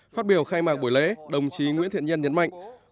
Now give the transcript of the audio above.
phát biểu khai mạc buổi lễ đồng chí nguyễn thiện nhân nhấn mạnh